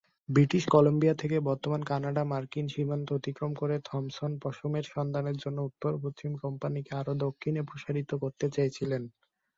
British Columbia থেকে বর্তমান কানাডা-মার্কিন সীমান্ত অতিক্রম করে, থম্পসন পশমের সন্ধানের জন্য উত্তর পশ্চিম কোম্পানিকে আরও দক্ষিণে প্রসারিত করতে চেয়েছিলেন।